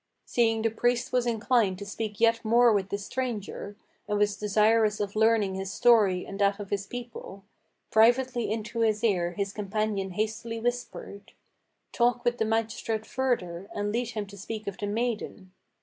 Seeing the priest was inclined to speak yet more with the stranger, And was desirous of learning his story and that of his people, Privately into his ear his companion hastily whispered: "Talk with the magistrate further, and lead him to speak of the maiden.